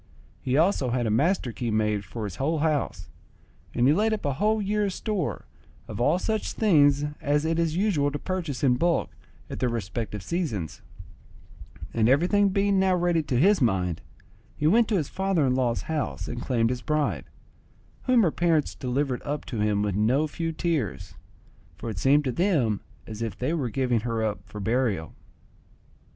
He also had a master key made for his whole house; and he laid up a whole year's store of all such things as it is usual to purchase in bulk at their respective seasons; and everything being now ready to his mind, he went to his father in law's house and claimed his bride, whom her parents delivered up to him with no few tears, for it seemed to them as if they were giving her up for burial.